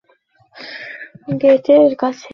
আপনার গেটের কাছে গাড়ি থাকবে।